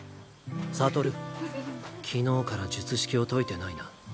悟昨日から術式を解いてないな。